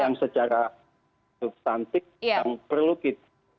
yang secara substansi yang perlu gitu